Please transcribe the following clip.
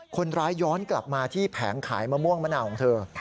คนร้ายย้อนกลับมาที่แผงขายมะม่วงมะนาวของเธอ